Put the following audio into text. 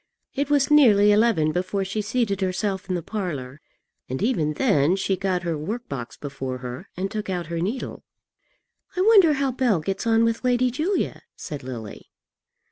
It was nearly eleven before she seated herself in the parlour, and even then she got her work box before her and took out her needle. "I wonder how Bell gets on with Lady Julia," said Lily.